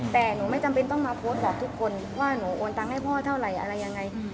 แต่หนูไม่จำเป็นต้องมาโพสต์บอกทุกคนว่าหนูโอนตังค์ให้พ่อเท่าไหร่อะไรยังไง